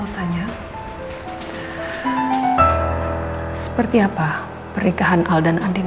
apa ada sesuatu yang gak bisa aku jelasin